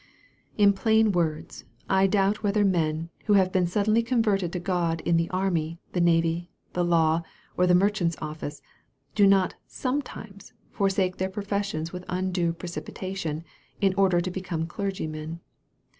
In plain words, I doubt whether men, who have been suddenly converted to God in the army, the navy, the law, or the merchant's office, do not sometimes forsake their profes sions with undue precipitation, in order to become clergymen.